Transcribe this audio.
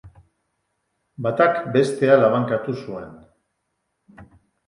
Batak bestea labankatu zuen.